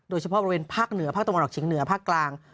โดยเฉพาะบริเวณภาคเหนือภาคตะวันออกเฉียงเหนือภาคกลาง